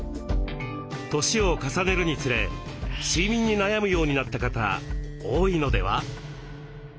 年を重ねるにつれ睡眠に悩むようになった方多いのでは？